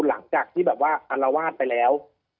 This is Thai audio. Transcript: หลังจากที่อัลลูวานะไปแล้ว